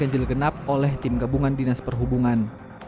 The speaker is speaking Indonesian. dengan jil genap oleh tim gabungan dinas perhubungan